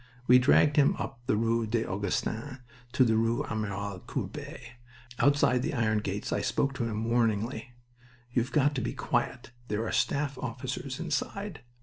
We dragged him up the rue des Augustins, to the rue Amiral Courbet. Outside the iron gates I spoke to him warningly: "You've got to be quiet. There are staff officers inside..."